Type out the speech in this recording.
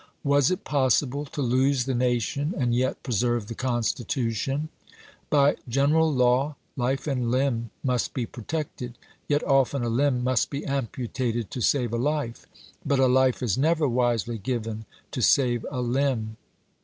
Was it possible to lose the nation and yet preserve the Constitution ? By general law, life and limb must be protected, yet often a limb must be amputated to save a life; but a life is never wisely given to save a limb.